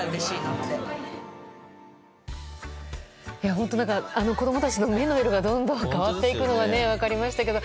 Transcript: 本当、子供たちの目の色がどんどん変わっていくのが分かりましたけど。